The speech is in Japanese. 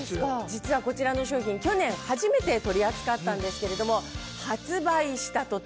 実はこちらの商品去年初めて取り扱ったんですけれども。